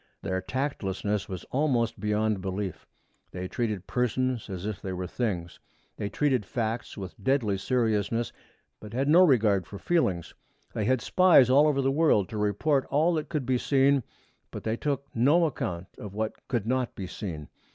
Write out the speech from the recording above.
Their tactlessness was almost beyond belief. They treated persons as if they were things. They treated facts with deadly seriousness, but had no regard for feelings. They had spies all over the world to report all that could be seen, but they took no account of what could not be seen.